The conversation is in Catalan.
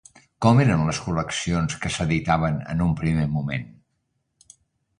Com eren les col·leccions que s'hi editaven en un primer moment?